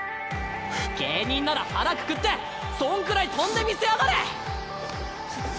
芸人なら腹くくってそんくらい飛んでみせやがれ！